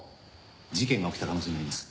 事件が起きた可能性があります。